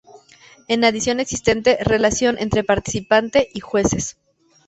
En adición existe relación entre participantes y jueces.